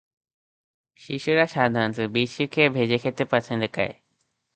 শিশুরা সাধারণত বীজ শুকিয়ে ভেজে খেতে পছন্দ করে।